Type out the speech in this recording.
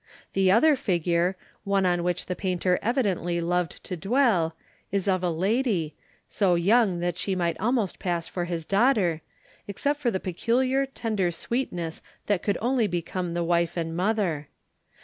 The other figure, one on which the painter evidently loved to dwell, is of a lady, so young that she might almost pass for his daughter, except for the peculiar, tender sweetness that could only become the wife and mother.